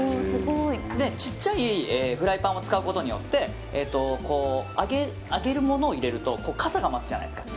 小さいフライパンを使うことによって揚げるものを入れるとかさが増すじゃないですか。